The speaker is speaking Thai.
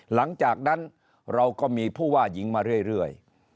หลังจากนั้นเราก็มีผู้ว่าหญิงมาเรื่อย